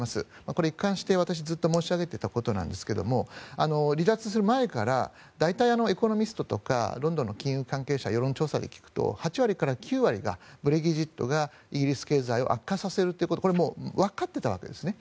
これ一貫してずっと申し上げていたことなんですが離脱する前から大体、エコノミストとかロンドンの金融関係者世論調査で聞くと８割から９割がブレグジットがイギリス経済を悪化させるということこれはもうわかっていたわけですね。